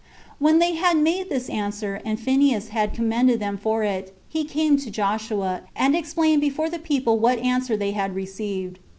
28. When they had made this answer, and Phineas had commended them for it, he came to Joshua, and explained before the people what answer they had received.